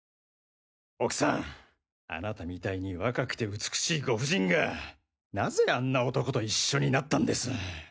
奥さんあなたみたいに若くて美しいご婦人がなぜあんな男と一緒になったんです？